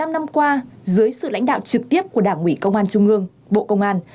bảy mươi năm năm qua dưới sự lãnh đạo trực tiếp của đảng ủy công an trung ương bộ công an